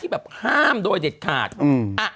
สุริยาจันทราทองเป็นหนังกลางแปลงในบริษัทอะไรนะครับ